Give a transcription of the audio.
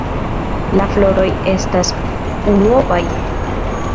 La floroj estas unuopaj.